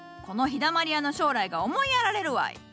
この「陽だまり屋」の将来が思いやられるわい！